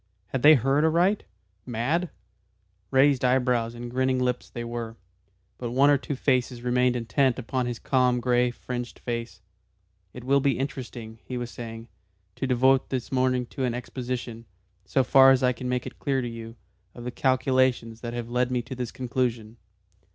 Had they heard aright? Mad? Raised eyebrows and grinning lips there were, but one or two faces remained intent upon his calm grey fringed face. "It will be interesting," he was saying, "to devote this morning to an exposition, so far as I can make it clear to you, of the calculations that have led me to this conclusion.